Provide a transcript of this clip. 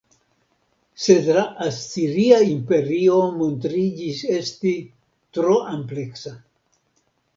Sed la asiria imperio montriĝis esti tro ampleksa.